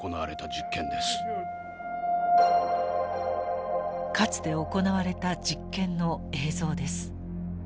かつて行われた実験の映像です。